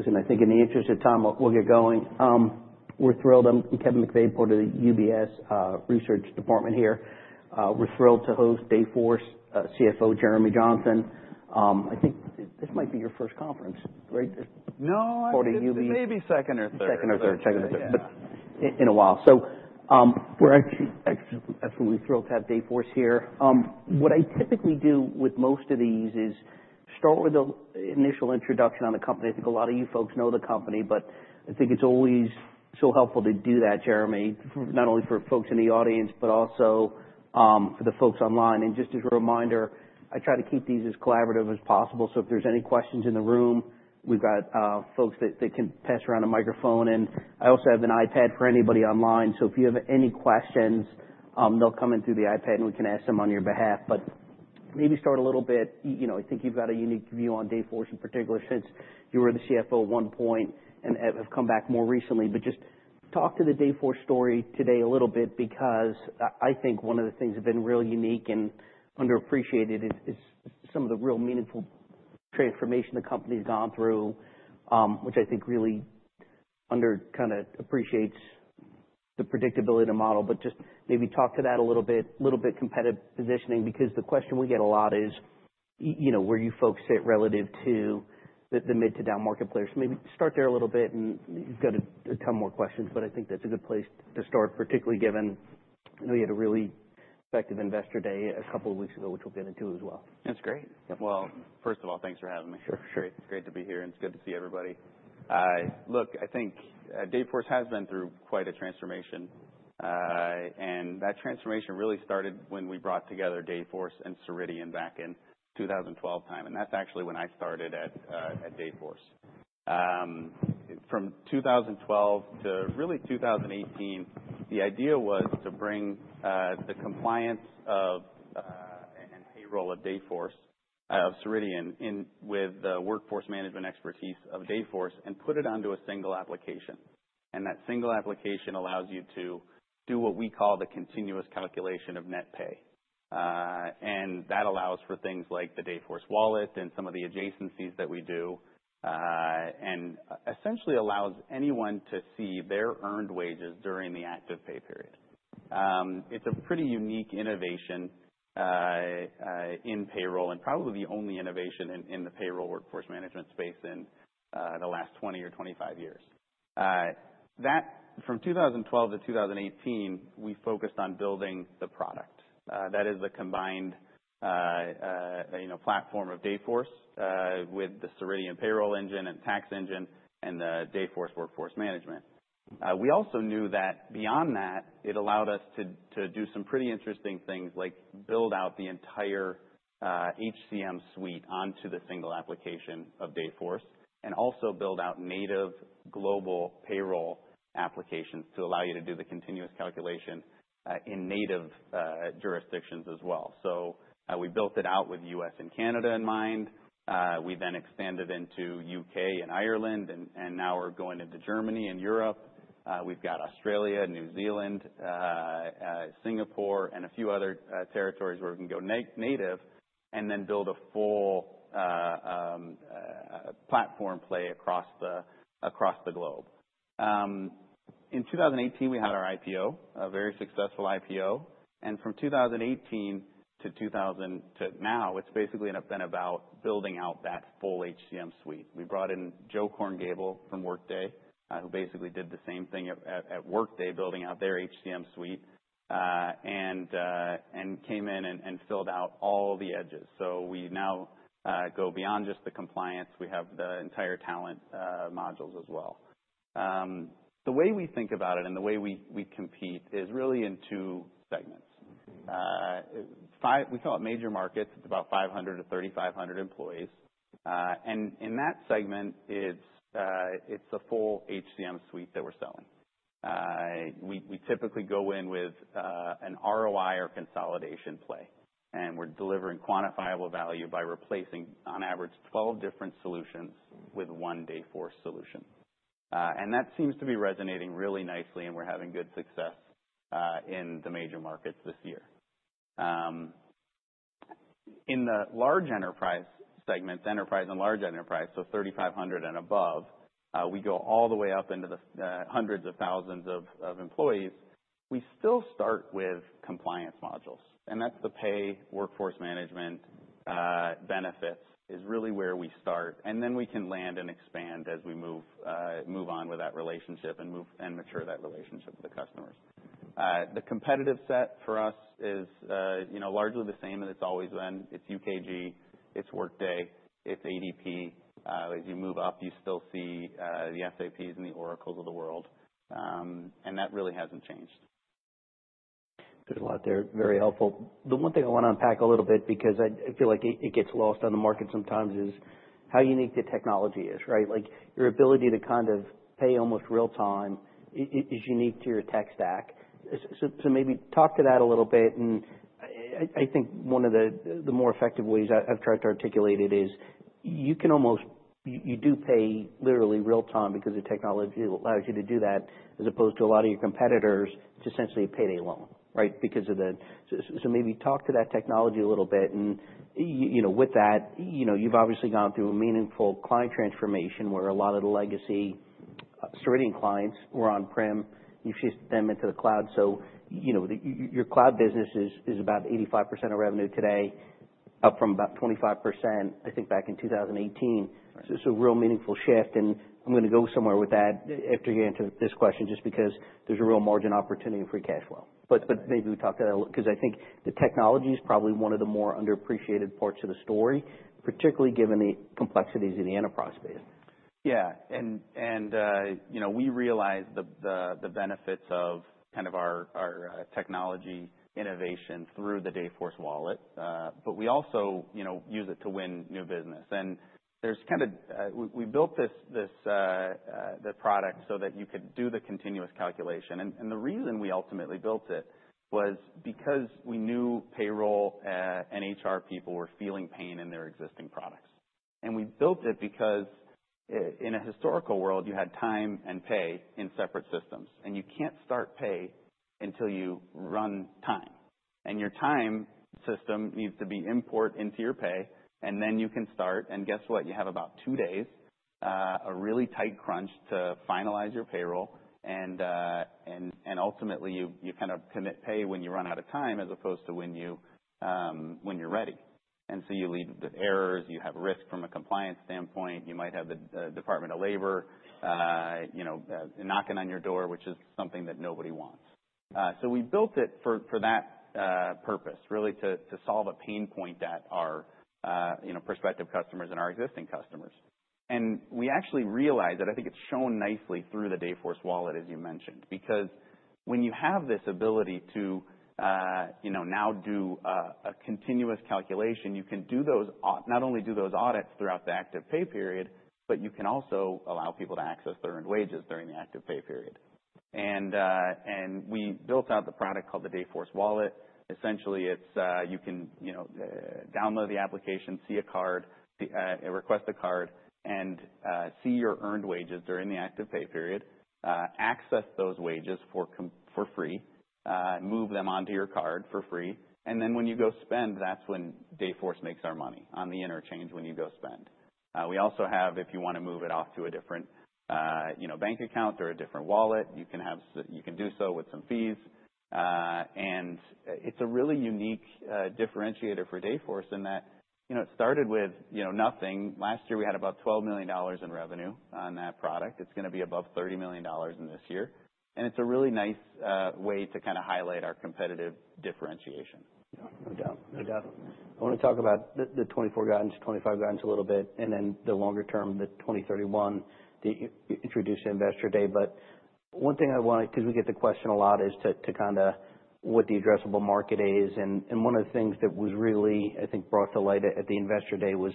Listen, I think in the interest of time, we'll get going. We're thrilled. I'm Kevin McVeigh for the UBS research department here. We're thrilled to host Dayforce CFO, Jeremy Johnson. I think this might be your first conference, right? No. According to UBS. Maybe second or third. Second or third. Second or third. Yeah. But in a while. So, we're actually absolutely thrilled to have Dayforce here. What I typically do with most of these is start with the initial introduction on the company. I think a lot of you folks know the company, but I think it's always so helpful to do that, Jeremy, not only for folks in the audience, but also for the folks online. And just as a reminder, I try to keep these as collaborative as possible. So if there's any questions in the room, we've got folks that can pass around a microphone, and I also have an iPad for anybody online. So if you have any questions, they'll come in through the iPad, and we can ask them on your behalf. But maybe start a little bit, you know, I think you've got a unique view on Dayforce in particular, since you were the CFO at one point and have come back more recently. But just talk to the Dayforce story today a little bit, because I think one of the things that have been really unique and underappreciated is some of the real meaningful transformation the company's gone through, which I think really underappreciates the predictability of the model. But just maybe talk to that a little bit, little bit competitive positioning, because the question we get a lot is, you know, where you folks sit relative to the mid to down market players. So maybe start there a little bit, and you've got a ton more questions, but I think that's a good place to start, particularly given we had a really effective Investor Day a couple of weeks ago, which we'll get into as well. That's great. Well, first of all, thanks for having me. Sure. It's great to be here, and it's good to see everybody. Look, I think Dayforce has been through quite a transformation, and that transformation really started when we brought together Dayforce and Ceridian back in 2012 time, and that's actually when I started at Dayforce. From 2012 to really 2018, the idea was to bring the compliance and payroll of Ceridian in with the workforce management expertise of Dayforce and put it onto a single application. That single application allows you to do what we call the Continuous Calculation of net pay. That allows for things like the Dayforce Wallet and some of the adjacencies that we do, and essentially allows anyone to see their earned wages during the active pay period. It's a pretty unique innovation in payroll and probably the only innovation in the payroll workforce management space in the last 20 or 25 years. From 2012 to 2018, we focused on building the product. That is the combined, you know, platform of Dayforce with the Ceridian payroll engine and tax engine and the Dayforce Workforce Management. We also knew that beyond that, it allowed us to do some pretty interesting things, like build out the entire HCM suite onto the single application of Dayforce, and also build out native global payroll applications to allow you to do the continuous calculation in native jurisdictions as well, so we built it out with U.S. and Canada in mind. We then expanded into U.K. and Ireland, and now we're going into Germany and Europe. We've got Australia, New Zealand, Singapore, and a few other territories where we can go native and then build a full platform play across the globe. In 2018, we had our IPO, a very successful IPO, and from 2018 to now, it's basically been about building out that full HCM suite. We brought in Joe Korngiebel from Workday, who basically did the same thing at Workday, building out their HCM suite, and came in and filled out all the edges. So we now go beyond just the compliance. We have the entire talent modules as well. The way we think about it and the way we compete is really in two segments. We call it major markets. It's about 500 to 3,500 employees. In that segment, it's a full HCM suite that we're selling. We typically go in with an ROI or consolidation play, and we're delivering quantifiable value by replacing, on average, 12 different solutions with one Dayforce solution. That seems to be resonating really nicely, and we're having good success in the major markets this year. In the large enterprise segments, enterprise and large enterprise, so 3,500 and above, we go all the way up into the hundreds of thousands of employees. We still start with compliance modules, and that's the pay workforce management. Benefits is really where we start, and then we can land and expand as we move on with that relationship and move and mature that relationship with the customers. The competitive set for us is, you know, largely the same, and it's always been. It's UKG, it's Workday, it's ADP. As you move up, you still see the SAPs and the Oracles of the world. And that really hasn't changed. There's a lot there. Very helpful. The one thing I want to unpack a little bit, because I feel like it gets lost on the market sometimes, is how unique the technology is, right? Like, your ability to kind of pay almost real time is unique to your tech stack. So maybe talk to that a little bit, and I think one of the more effective ways I've tried to articulate it is, you can almost, you do pay literally real-time because the technology allows you to do that, as opposed to a lot of your competitors, it's essentially a payday loan, right? Because of the, so maybe talk to that technology a little bit. And you know, with that, you know, you've obviously gone through a meaningful client transformation, where a lot of the legacy. Ceridian clients were on-prem. You've shifted them into the cloud. So, you know, your cloud business is about 85% of revenue today, up from about 25%, I think, back in 2018. So it's a real meaningful shift, and I'm gonna go somewhere with that after you answer this question, just because there's a real margin opportunity for cash flow. But maybe we talk that a little 'cause I think the technology is probably one of the more underappreciated parts of the story, particularly given the complexities in the enterprise space. Yeah, and you know, we realize the benefits of kind of our technology innovation through the Dayforce Wallet, but we also, you know, use it to win new business. And there's kind of we built this the product so that you could do the continuous calculation. And the reason we ultimately built it was because we knew payroll and HR people were feeling pain in their existing products. And we built it because, in a historical world, you had time and pay in separate systems, and you can't start pay until you run time. And your time system needs to be imported into your pay, and then you can start, and guess what? You have about two days, a really tight crunch to finalize your payroll, and ultimately, you kind of commit pay when you run out of time, as opposed to when you're ready. And so you lead to errors, you have risk from a compliance standpoint, you might have the Department of Labor you know knocking on your door, which is something that nobody wants. So we built it for that purpose, really, to solve a pain point that our you know prospective customers and our existing customers. And we actually realized that I think it's shown nicely through the Dayforce Wallet, as you mentioned, because when you have this ability to, you know, now do a continuous calculation, you can do those audits, not only do those audits throughout the active pay period, but you can also allow people to access their earned wages during the active pay period. And and we built out the product called the Dayforce Wallet. Essentially, it's you can, you know, download the application, see a card, request a card, and see your earned wages during the active pay period. Access those wages for free, move them onto your card for free, and then when you go spend, that's when Dayforce makes our money, on the interchange, when you go spend. We also have, if you wanna move it off to a different, you know, bank account or a different wallet, you can do so with some fees, and it's a really unique differentiator for Dayforce in that, you know, it started with, you know, nothing. Last year, we had about $12 million in revenue on that product. It's gonna be above $30 million in this year, and it's a really nice way to kinda highlight our competitive differentiation. Yeah. No doubt. No doubt. I wanna talk about the 2024 guidance, 2025 guidance a little bit, and then the longer term, the 2031, the Investor Day. But one thing I wanted, 'cause we get the question a lot, is to kinda what the addressable market is. And one of the things that was really, I think, brought to light at the Investor Day was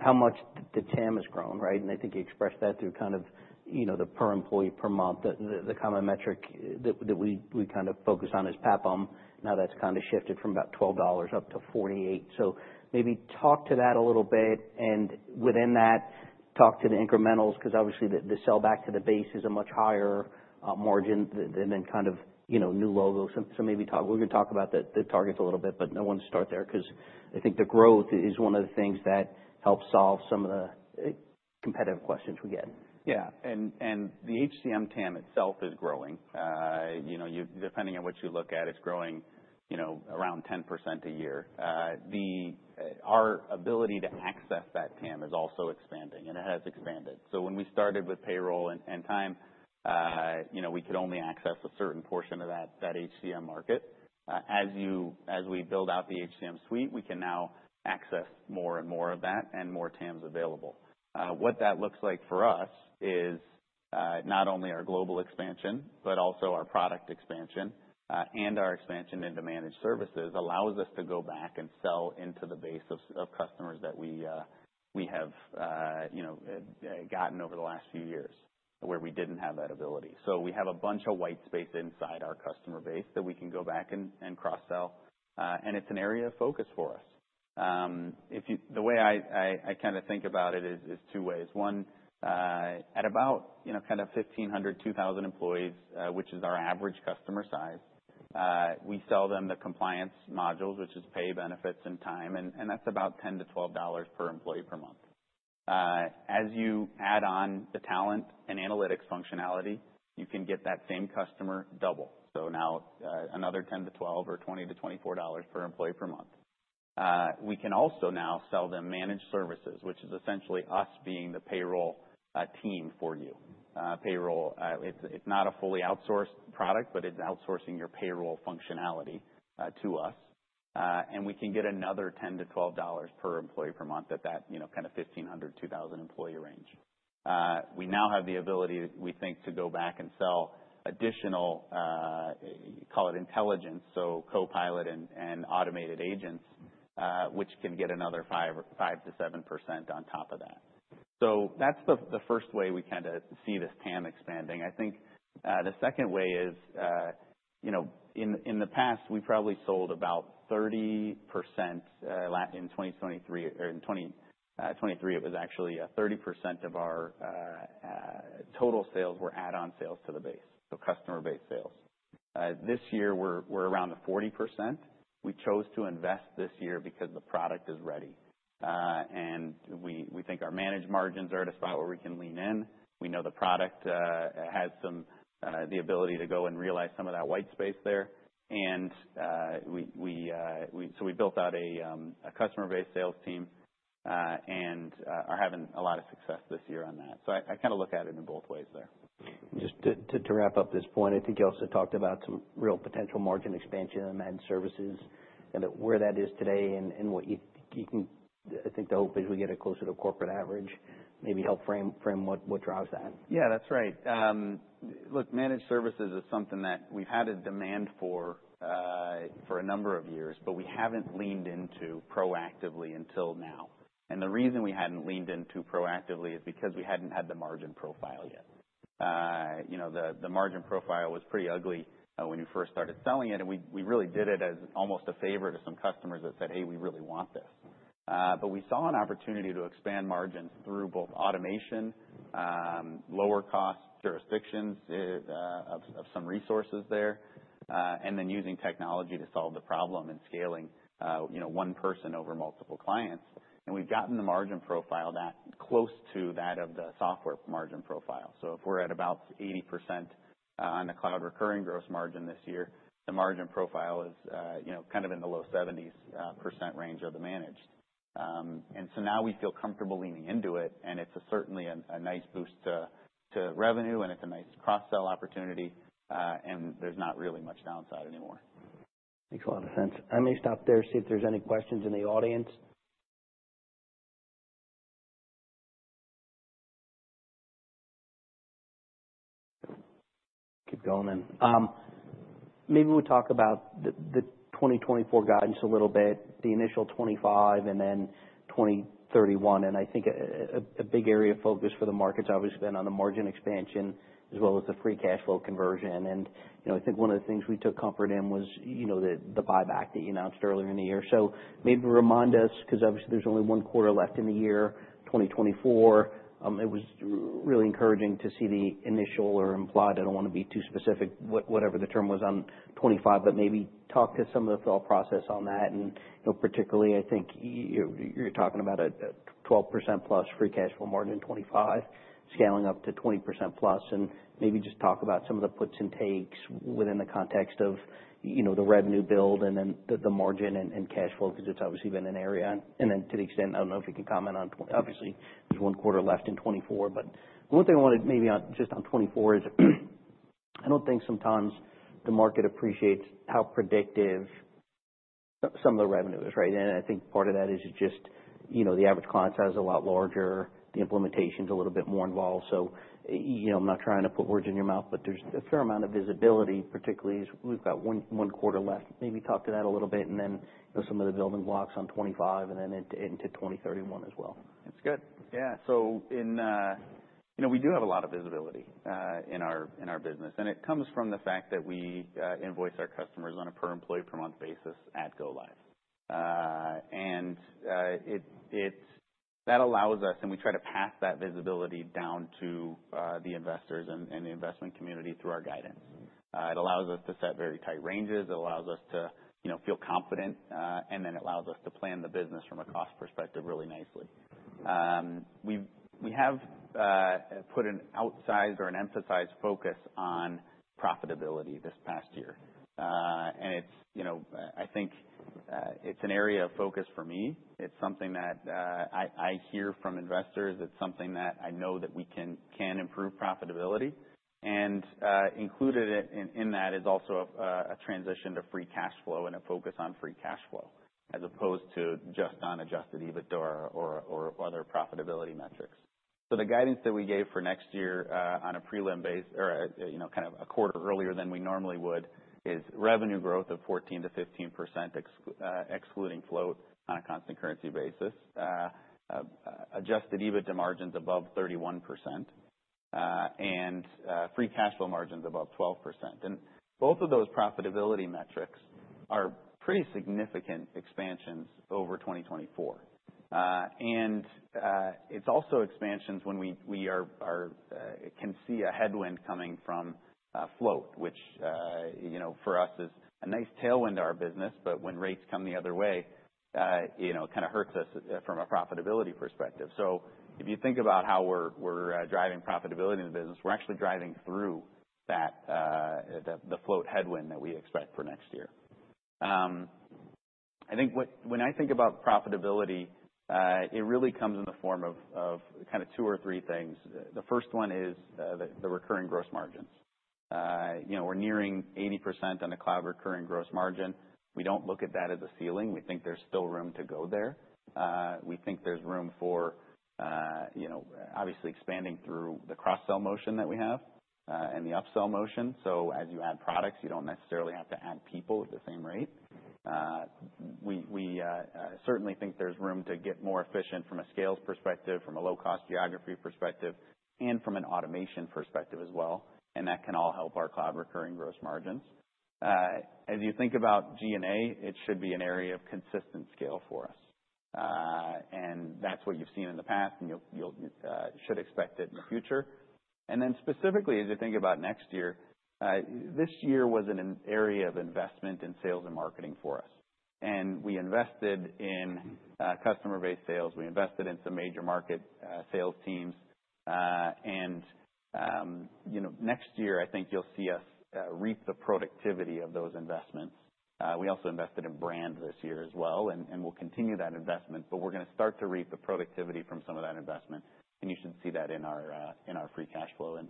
how much the TAM has grown, right? And I think you expressed that through kind of, you know, the per employee per month. The common metric that we kind of focus on is PEPM. Now, that's kind of shifted from about $12 up to $48. So maybe talk to that a little bit, and within that, talk to the incrementals, 'cause obviously, the sellback to the base is a much higher margin than the kind of, you know, new logo. So maybe talk. We're gonna talk about the targets a little bit, but I want to start there, 'cause I think the growth is one of the things that helps solve some of the competitive questions we get. Yeah. The HCM TAM itself is growing. You know, depending on what you look at, it's growing, you know, around 10% a year. Our ability to access that TAM is also expanding, and it has expanded. When we started with payroll and time, you know, we could only access a certain portion of that HCM market. As we build out the HCM suite, we can now access more and more of that and more TAMs available. What that looks like for us is not only our global expansion, but also our product expansion, and our expansion into managed services, allows us to go back and sell into the base of customers that we have, you know, gotten over the last few years, where we didn't have that ability. So we have a bunch of white space inside our customer base that we can go back and cross-sell, and it's an area of focus for us. The way I kind of think about it is two ways. One, at about, you know, kind of 1,500 to 2,000 employees, which is our average customer size, we sell them the compliance modules, which is pay, benefits, and time, and that's about $10 to $12 per employee per month. As you add on the talent and analytics functionality, you can get that same customer double, so now, another $10 to $12 or $20 to $24 per employee per month. We can also now sell them managed services, which is essentially us being the payroll team for you. Payroll, it's not a fully outsourced product, but it's outsourcing your payroll functionality to us, and we can get another $10 to $12 per employee per month at that, you know, kind of 1,500 to 2,000 employee range. We now have the ability, we think, to go back and sell additional, call it intelligence, so Copilot and automated agents, which can get another 5 to 7% on top of that. So that's the first way we kind of see this TAM expanding. I think the second way is, you know, in the past, we probably sold about 30% in 2023. It was actually 30% of our total sales were add-on sales to the base, so customer base sales. This year, we're around the 40%. We chose to invest this year because the product is ready. And we think our managed margins are at a spot where we can lean in. We know the product has some the ability to go and realize some of that white space there. And so we built out a customer-based sales team and are having a lot of success this year on that. So I kinda look at it in both ways there. Just to wrap up this point, I think you also talked about some real potential margin expansion in Managed Services, and that, where that is today, and what you can. I think the hope is we get it closer to corporate average. Maybe help frame what drives that. Yeah, that's right. Look, managed services is something that we've had a demand for, for a number of years, but we haven't leaned into proactively until now, and the reason we hadn't leaned into proactively is because we hadn't had the margin profile yet. You know, the margin profile was pretty ugly, when you first started selling it, and we really did it as almost a favor to some customers that said, hey, we really want this, but we saw an opportunity to expand margins through both automation, lower cost jurisdictions, of some resources there, and then using technology to solve the problem and scaling, you know, one person over multiple clients, and we've gotten the margin profile that close to that of the software margin profile. So if we're at about 80% on the cloud recurring gross margin this year, the margin profile is, you know, kind of in the low 70s% range of the managed. And so now we feel comfortable leaning into it, and it's certainly a nice boost to revenue, and it's a nice cross-sell opportunity, and there's not really much downside anymore. Makes a lot of sense. I may stop there, see if there's any questions in the audience. Keep going then. Maybe we'll talk about the 2024 guidance a little bit, the initial 2025, and then 2031. And I think a big area of focus for the market's obviously been on the margin expansion, as well as the free cash flow conversion. And, you know, I think one of the things we took comfort in was, you know, the buyback that you announced earlier in the year. So maybe remind us, 'cause obviously there's only one quarter left in the year, 2024. It was really encouraging to see the initial or implied, I don't want to be too specific, whatever the term was on 2025, but maybe talk to some of the thought process on that. You know, particularly I think you're talking about a 12% plus free cash flow margin in 2025, scaling up to 20% plus. And maybe just talk about some of the puts and takes within the context of, you know, the revenue build and then the margin and cash flow, because it's obviously been an area. And then to the extent, I don't know if you can comment on obviously, there's one quarter left in 2024. But one thing I wanted maybe on, just on 2024 is, I don't think sometimes the market appreciates how predictive some of the revenue is, right? And I think part of that is just, you know, the average client size is a lot larger, the implementation's a little bit more involved. You know, I'm not trying to put words in your mouth, but there's a fair amount of visibility, particularly as we've got one quarter left. Maybe talk to that a little bit, and then, you know, some of the building blocks on 2025 and then into 2031 as well. That's good. Yeah. So in, we do have a lot of visibility in our business, and it comes from the fact that we invoice our customers on a per employee, per month basis at go-live. And it that allows us, and we try to pass that visibility down to the investors and the investment community through our guidance. It allows us to set very tight ranges, it allows us to, you know, feel confident, and then it allows us to plan the business from a cost perspective really nicely. We've put an outsized or an emphasized focus on profitability this past year. And it's, you know, I think, it's an area of focus for me. It's something that I hear from investors, it's something that I know that we can improve profitability. And included in that is also a transition to free cash flow and a focus on free cash flow, as opposed to just on Adjusted EBITDA or other profitability metrics. So the guidance that we gave for next year, on a prelim basis, or you know, kind of a quarter earlier than we normally would, is revenue growth of 14 to 15%, excluding float on a constant currency basis. Adjusted EBITDA margins above 31%, and free cash flow margins above 12%. And both of those profitability metrics are pretty significant expansions over 2024. It's also expansions when we can see a headwind coming from float, which, you know, for us, is a nice tailwind to our business, but when rates come the other way, you know, it kind of hurts us from a profitability perspective. So if you think about how we're driving profitability in the business, we're actually driving through that the float headwind that we expect for next year. I think when I think about profitability, it really comes in the form of kind of two or three things. The first one is the recurring gross margins. You know, we're nearing 80% on the cloud recurring gross margin. We don't look at that as a ceiling. We think there's still room to go there. We think there's room for, you know, obviously expanding through the cross-sell motion that we have, and the upsell motion. So as you add products, you don't necessarily have to add people at the same rate. We certainly think there's room to get more efficient from a scales perspective, from a low-cost geography perspective, and from an automation perspective as well, and that can all help our cloud recurring gross margins. As you think about G&A, it should be an area of consistent scale for us, and that's what you've seen in the past, and you'll should expect it in the future. And then specifically, as you think about next year, this year was an area of investment in sales and marketing for us, and we invested in customer-based sales. We invested in some major market sales teams. You know, next year, I think you'll see us reap the productivity of those investments. We also invested in brand this year as well, and we'll continue that investment, but we're gonna start to reap the productivity from some of that investment, and you should see that in our free cash flow and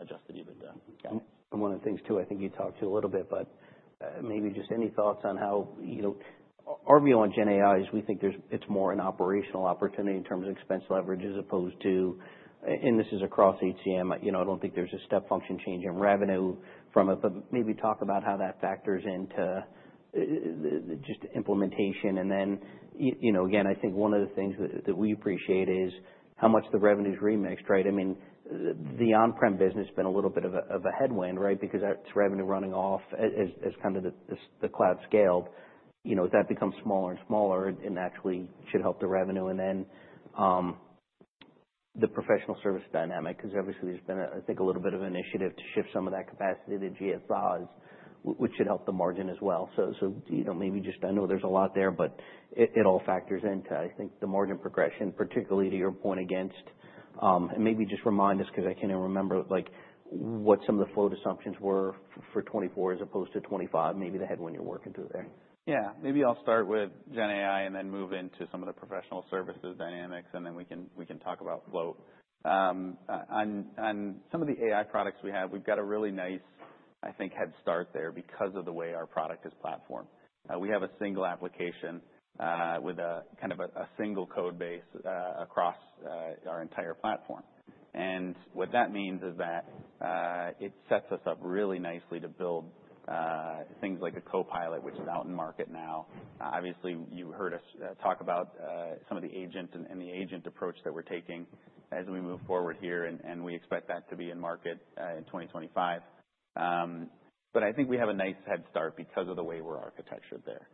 Adjusted EBITDA. Yeah. One of the things, too, I think you talked to a little bit, but maybe just any thoughts on how, you know, our view on GenAI is we think there's, it's more an operational opportunity in terms of expense leverage, as opposed to, and this is across HCM, you know, I don't think there's a step function change in revenue from it, but maybe talk about how that factors into just implementation. Then, you know, again, I think one of the things that we appreciate is how much the revenue is remixed, right? I mean, the on-prem business has been a little bit of a headwind, right, because that's revenue running off as the cloud scaled. You know, that becomes smaller and smaller and actually should help the revenue. Then, the professional services dynamic, because obviously, there's been, I think, a little bit of an initiative to shift some of that capacity to GSIs, which should help the margin as well. So, you know, maybe just, I know there's a lot there, but it all factors into, I think, the margin progression, particularly to your point against. Maybe just remind us, because I can't even remember, like, what some of the float assumptions were for 2024 as opposed to 2025, maybe the headwind you're working through there. Yeah. Maybe I'll start with GenAI and then move into some of the professional services dynamics, and then we can talk about float. On some of the AI products we have, we've got a really nice, I think, head start there because of the way our product is platformed. We have a single application with a kind of a single code base across our entire platform. And what that means is that it sets us up really nicely to build things like a Copilot, which is out in the market now. Obviously, you heard us talk about some of the agents and the agent approach that we're taking as we move forward here, and we expect that to be in market in 2025. But I think we have a nice head start because of the way we're architected there.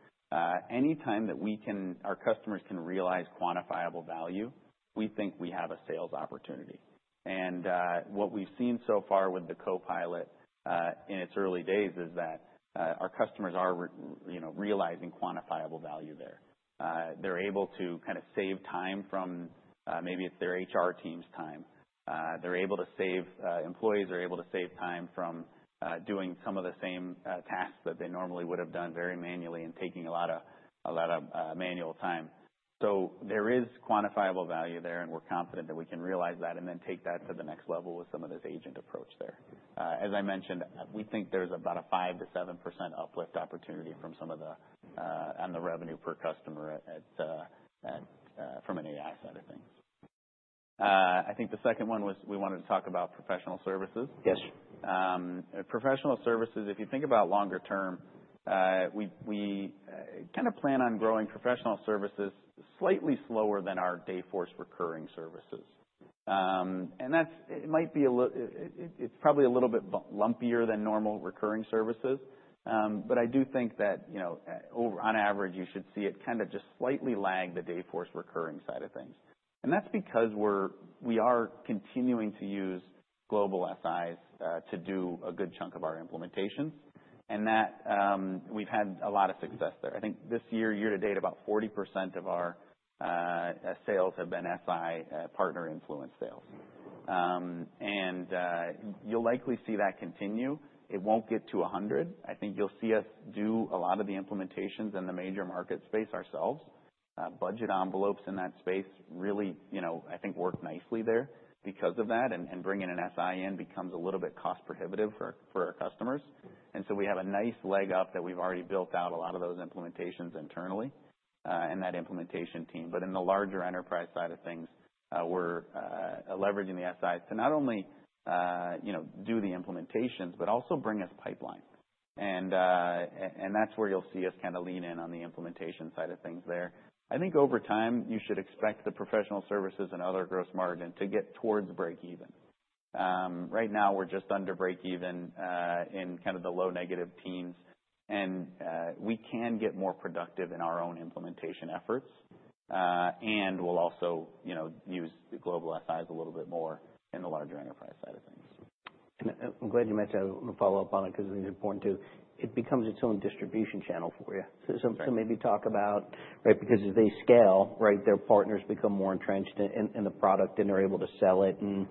Anytime our customers can realize quantifiable value, we think we have a sales opportunity. And what we've seen so far with the Copilot in its early days is that our customers are, you know, realizing quantifiable value there. They're able to kind of save time from maybe it's their HR team's time. Employees are able to save time from doing some of the same tasks that they normally would have done very manually and taking a lot of manual time. So there is quantifiable value there, and we're confident that we can realize that and then take that to the next level with some of this agent approach there. As I mentioned, we think there's about a 5% to 7% uplift opportunity from some of the, on the revenue per customer at, from an AI side of things. I think the second one was we wanted to talk about professional services. Yes. Professional services, if you think about longer term, we kind of plan on growing professional services slightly slower than our Dayforce recurring services. That's, it might be a little bit lumpier than normal recurring services. But I do think that, you know, over on average, you should see it kind of just slightly lag the Dayforce recurring side of things. That's because we are continuing to use global SIs to do a good chunk of our implementations, and that we've had a lot of success there. I think this year, year to date, about 40% of our sales have been SI partner influence sales. You'll likely see that continue. It won't get to 100. I think you'll see us do a lot of the implementations in the major market space ourselves. Budget envelopes in that space really, you know, I think, work nicely there because of that, and bringing an SI in becomes a little bit cost prohibitive for our customers. We have a nice leg up that we've already built out a lot of those implementations internally, and that implementation team. In the larger enterprise side of things, we're leveraging the SIs to not only, you know, do the implementations, but also bring us pipeline. That's where you'll see us kind of lean in on the implementation side of things there. I think over time, you should expect the professional services and other gross margin to get towards breakeven. Right now, we're just under breakeven, in kind of the low negative teens, and we can get more productive in our own implementation efforts, and we'll also, you know, use the global SIs a little bit more in the larger enterprise side of things. And I, I'm glad you mentioned that. I want to follow up on it because it's important, too. It becomes its own distribution channel for you. Right. So maybe talk about, right, because as they scale, right, their partners become more entrenched in the product, and they're able to sell it, and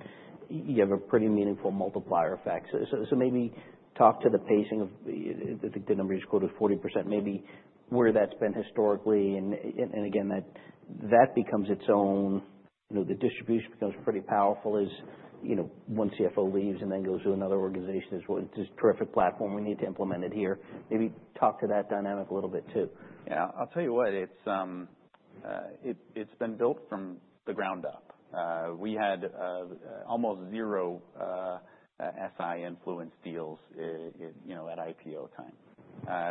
you have a pretty meaningful multiplier effect. So maybe talk to the pacing of the numbers you quoted, 40%, maybe where that's been historically. And again, that becomes its own, you know, the distribution becomes pretty powerful as, you know, one CFO leaves and then goes to another organization, and says, well, this is a terrific platform. We need to implement it here. Maybe talk to that dynamic a little bit, too. Yeah. I'll tell you what, it's been built from the ground up. We had almost zero SI influence deals, you know, at IPO time.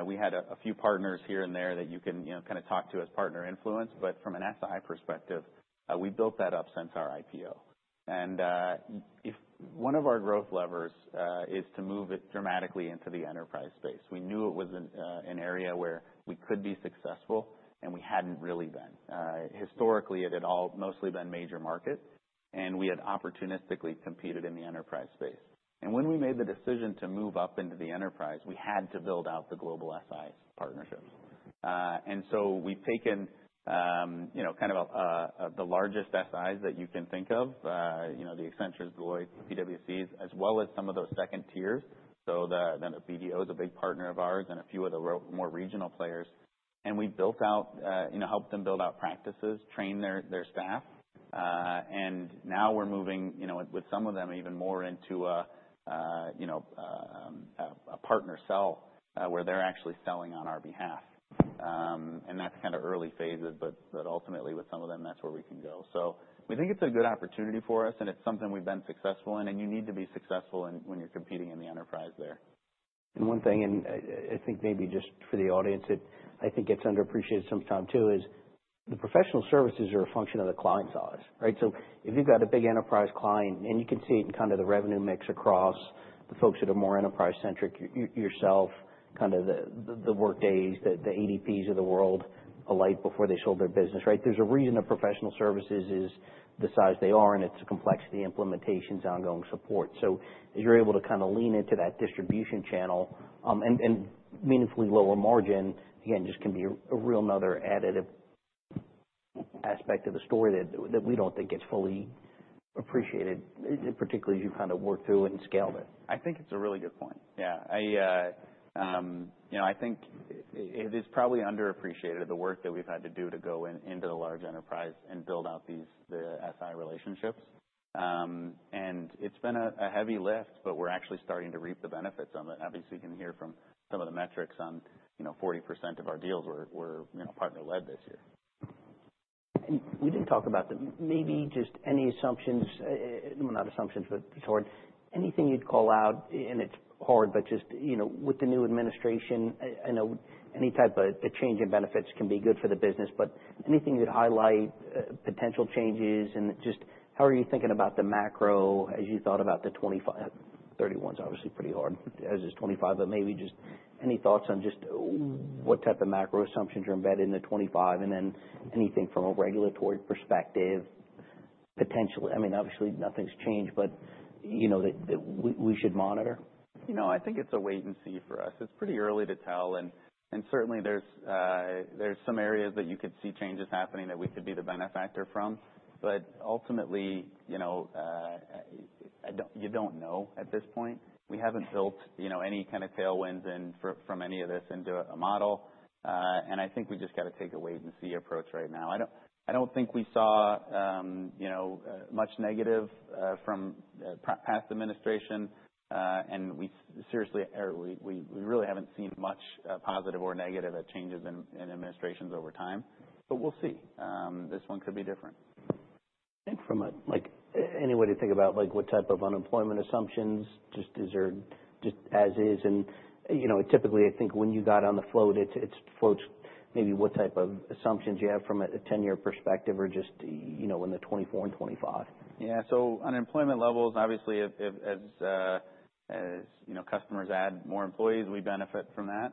We had a few partners here and there that you can, you know, kind of talk to as partner influence, but from an SI perspective, we built that up since our IPO. And if one of our growth levers is to move it dramatically into the enterprise space. We knew it was an area where we could be successful, and we hadn't really been. Historically, it had all mostly been major markets, and we had opportunistically competed in the enterprise space. And when we made the decision to move up into the enterprise, we had to build out the global SI partnerships. And so we've taken, you know, kind of, the largest SIs that you can think of, you know, the Accenture, Deloitte, PwC, as well as some of those second tiers. So then the BDO is a big partner of ours and a few of the more regional players, and we built out, you know, helped them build out practices, train their staff. And now we're moving, you know, with some of them even more into a, you know, a partner sell, where they're actually selling on our behalf. And that's kind of early phases, but ultimately, with some of them, that's where we can go. So we think it's a good opportunity for us, and it's something we've been successful in, and you need to be successful in when you're competing in the enterprise there. And one thing, I think maybe just for the audience, that I think gets underappreciated sometimes, too, is the professional services are a function of the client size, right? So if you've got a big enterprise client, and you can see it in kind of the revenue mix across the folks that are more enterprise centric, yourself, kind of the Workday, the ADPs of the world, Alight before they sold their business, right? There's a reason the professional services is the size they are, and it's the complexity, implementations, ongoing support. So as you're able to kind of lean into that distribution channel, and meaningfully lower margin, again, just can be a real another additive aspect of the story that we don't think gets fully appreciated, particularly as you kind of work through it and scale it. I think it's a really good point. Yeah. You know, I think it is probably underappreciated, the work that we've had to do to go into the large enterprise and build out these SI relationships. And it's been a heavy lift, but we're actually starting to reap the benefits on that. Obviously, you can hear from some of the metrics, you know, 40% of our deals were partner led this year. And we didn't talk about maybe just any assumptions, well, not assumptions, but toward anything you'd call out, and it's hard, but just, you know, with the new administration, I know any type of a change in benefits can be good for the business, but anything you'd highlight, potential changes? And just how are you thinking about the macro as you thought about the 2025-2031's obviously pretty hard, as is 2025, but maybe just any thoughts on just what type of macro assumptions are embedded in the 2025, and then anything from a regulatory perspective, potentially? I mean, obviously, nothing's changed, but, you know, that we should monitor. You know, I think it's a wait and see for us. It's pretty early to tell, and certainly there's some areas that you could see changes happening that we could be the benefactor from. But ultimately, you know, you don't know at this point. We haven't built, you know, any kind of tailwinds in from any of this into a model. And I think we just got to take a wait-and-see approach right now. I don't think we saw much negative from past administration. And we really haven't seen much positive or negative at changes in administrations over time, but we'll see. This one could be different. I think from a like any way to think about like what type of unemployment assumptions just as is and you know typically I think when you got on the float it's floats maybe what type of assumptions you have from a 10-year perspective or just you know in 2024 and 2025. Yeah. So unemployment levels, obviously, if, as you know, customers add more employees, we benefit from that.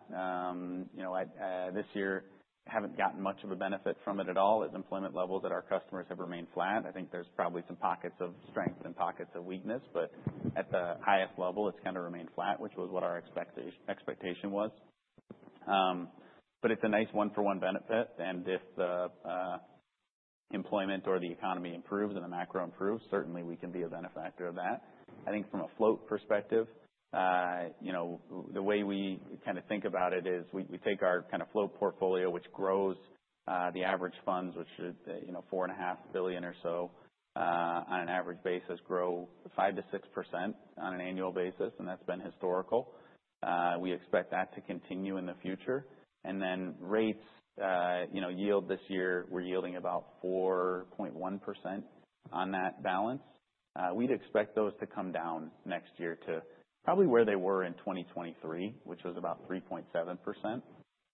You know, I this year haven't gotten much of a benefit from it at all. As employment levels at our customers have remained flat, I think there's probably some pockets of strength and pockets of weakness, but at the highest level, it's kind of remained flat, which was what our expectation was. But it's a nice one-for-one benefit, and if the employment or the economy improves and the macro improves, certainly we can be a benefactor of that. I think from a float perspective, you know, the way we kind of think about it is we take our kind of float portfolio, which grows the average funds, which is, you know, $4.5 billion or so on an average basis, grow 5% to 6% on an annual basis, and that's been historical. We expect that to continue in the future, and then rates, you know, yield this year, we're yielding about 4.1% on that balance. We'd expect those to come down next year to probably where they were in 2023, which was about 3.7%,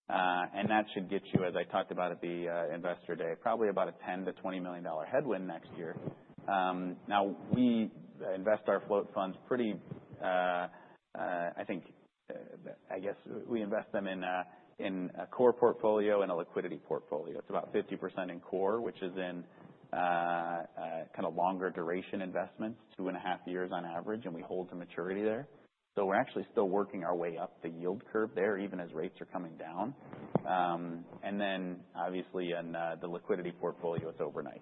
and that should get you, as I talked about at the Investor Day, probably about a $10 to $20 million headwind next year. Now we invest our float funds pretty. I think I guess we invest them in a core portfolio and a liquidity portfolio. It's about 50% in core, which is in kind of longer duration investments, two and a half years on average, and we hold to maturity there. So we're actually still working our way up the yield curve there, even as rates are coming down. And then obviously in the liquidity portfolio, it's overnight.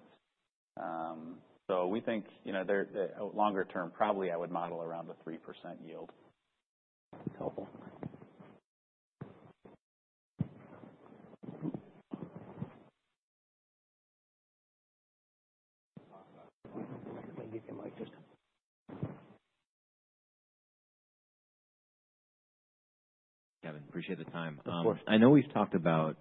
So we think, you know, there longer term, probably I would model around a 3% yield. Cool. Maybe the mic just. Kevin, appreciate the time. Of course. I know we've talked about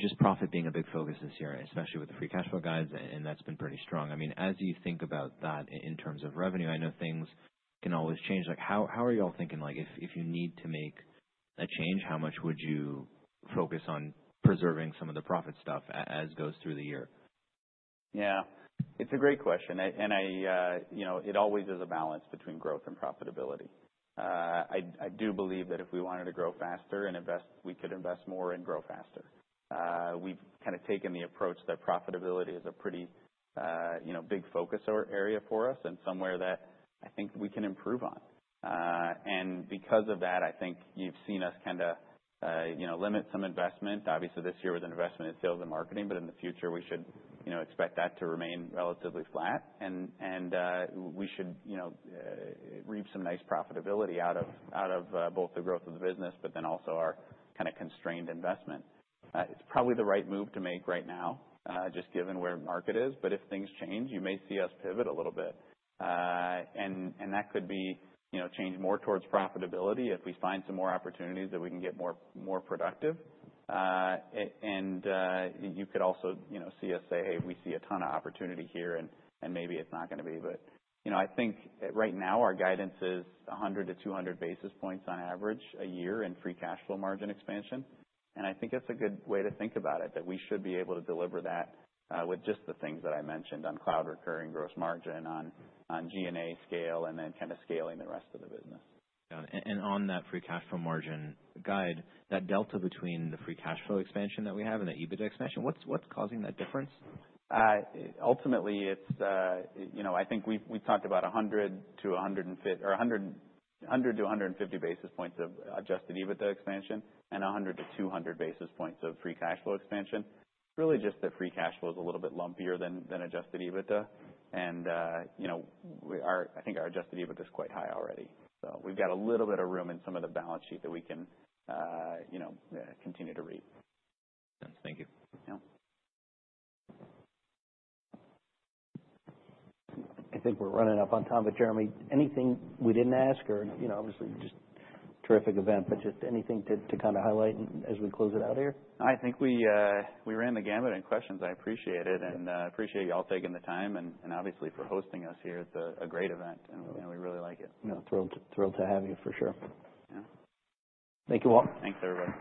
just profit being a big focus this year, especially with the free cash flow guides, and that's been pretty strong. I mean, as you think about that in terms of revenue, I know things can always change. Like, how are you all thinking, like, if you need to make a change? How much would you focus on preserving some of the profit stuff as goes through the year? Yeah, it's a great question. And I, you know, it always is a balance between growth and profitability. I do believe that if we wanted to grow faster and invest, we could invest more and grow faster. We've kind of taken the approach that profitability is a pretty, you know, big focus area for us and somewhere that I think we can improve on. And because of that, I think you've seen us kinda, you know, limit some investment. Obviously, this year with investment in sales and marketing, but in the future, we should, you know, expect that to remain relatively flat. And we should, you know, reap some nice profitability out of both the growth of the business, but then also our kind of constrained investment. It's probably the right move to make right now, just given where the market is, but if things change, you may see us pivot a little bit. And that could be, you know, change more towards profitability if we find some more opportunities that we can get more productive. And you could also, you know, see us say, hey, we see a ton of opportunity here and maybe it's not gonna be. But, you know, I think right now, our guidance is 100 to 200 basis points on average a year in free cash flow margin expansion. And I think that's a good way to think about it, that we should be able to deliver that with just the things that I mentioned on cloud recurring gross margin, on G&A scale, and then kind of scaling the rest of the business. Yeah, and on that free cash flow margin guide, that delta between the free cash flow expansion that we have and the EBITDA expansion, what's causing that difference? Ultimately, it's, you know, I think we've talked about 100 to 150 basis points of Adjusted EBITDA expansion and 100 to 200 basis points of free cash flow expansion. Really just the free cash flow is a little bit lumpier than Adjusted EBITDA. I think our Adjusted EBITDA is quite high already, so we've got a little bit of room in some of the balance sheet that we can continue to reap. Thank you. Yeah. I think we're running up on time, but Jeremy, anything we didn't ask or, you know, obviously, just terrific event, but just anything to kind of highlight as we close it out here? I think we ran the gamut in questions. I appreciate it, and appreciate you all taking the time and obviously for hosting us here. It's a great event, and you know, we really like it. Yeah, thrilled, thrilled to have you, for sure. Yeah. Thank you, all. Thanks, everybody.